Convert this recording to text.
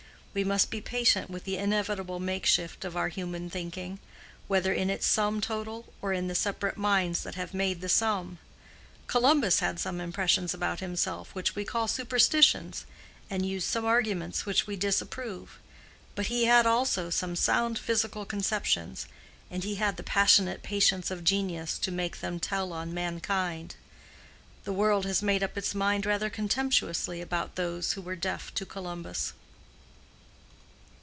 We must be patient with the inevitable makeshift of our human thinking, whether in its sum total or in the separate minds that have made the sum. Columbus had some impressions about himself which we call superstitions, and used some arguments which we disapprove; but he had also some sound physical conceptions, and he had the passionate patience of genius to make them tell on mankind. The world has made up its mind rather contemptuously about those who were deaf to Columbus.